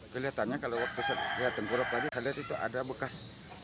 kelihatannya kalau waktu saya tengkulak tadi saya lihat itu ada bekas